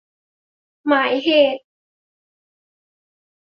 หมายเหตุ